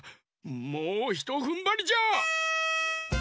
もうひとふんばりじゃ！